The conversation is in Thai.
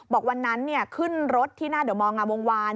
บอกวันนั้นขึ้นรถที่หน้าเดอร์มองาวงวาน